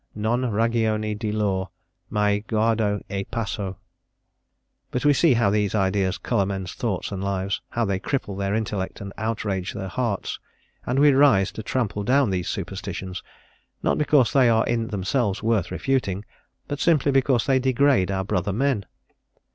"Non ragione di lor, mai guardo e passo." But we see how these ideas colour men's thoughts and lives, how they cripple their intellect and outrage their hearts, and we rise to trample down these superstitions, not because they are in themselves worth refuting, but simply because they degrade our brother men.